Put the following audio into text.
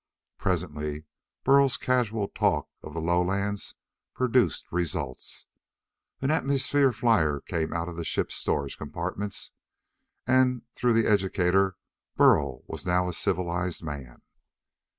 Presently Burl's casual talk of the lowlands produced results. An atmosphere flier came out of the ship's storage compartments. And through the educator Burl was now a civilized man.